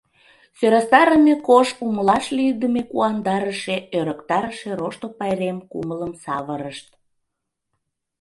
Сӧрастарыме кож, умылаш лийдыме куандарыше, ӧрыктарыше Рошто пайрем кумылым савырышт!